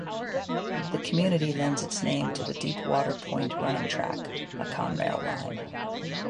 The community lends its name to the Deepwater Point Running Track, a Conrail line.